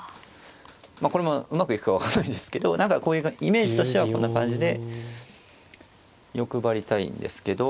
これもうまくいくか分からないんですけど何かイメージとしてはこんな感じで欲張りたいんですけど。